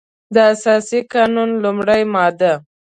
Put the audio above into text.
د اساسي قانون لمړۍ ماده